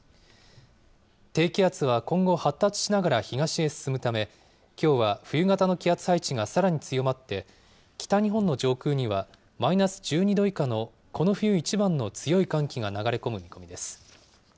低気圧は今後発達しながら東へ進むため、きょうは冬型の気圧配置がさらに強まって、北日本の上空にはマイナス１２度以下のこの冬一番の強い寒気が流れ込む見込みです。